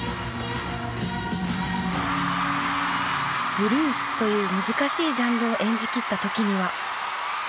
ブルースという難しいジャンルを演じきった時には。